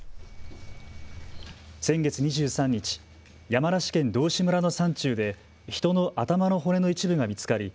先月２３日、山梨県道志村の山中で人の頭の骨の一部が見つかり